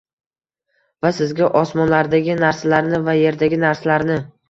«Va sizga osmonlardagi narsalarni va yerdagi narsalarni